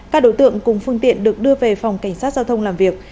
các đối tượng cùng phương tiện được đưa về phòng cảnh sát